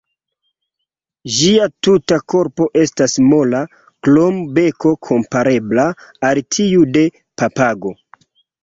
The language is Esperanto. Ĝia tuta korpo estas mola, krom beko komparebla al tiu de papago.